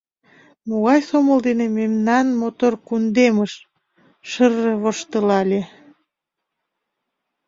— Могай сомыл дене мемнан мотор кундемыш? — шыр-р воштылале.